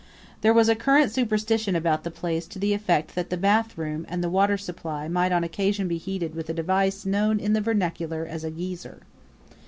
There was a current superstition about the place to the effect that the bathroom and the water supply might on occasion be heated with a device known in the vernacular as a geezer.